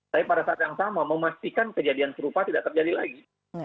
tapi pada saat yang sama memastikan kejadian serupa tidak terjadi lagi